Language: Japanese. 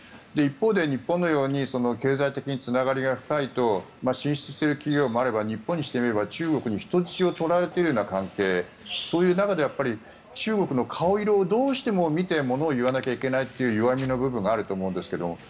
一方で日本のように経済的なつながりが深いと進出している企業もあれば日本にしてみれば中国に人質を取られているような関係そういう中で中国の顔色をどうしても見てものを言わなきゃいけないという弱みの部分があると思うんです。